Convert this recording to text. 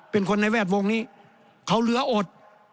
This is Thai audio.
เป็นคนในแวดวงนี้เขาเหลืออด